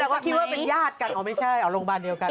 เราก็คิดว่าเป็นญาติกันอ่ะไม่ใช่อารมณ์เดียวกัน